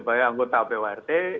jadi mungkin ini